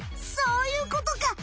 そういうことか！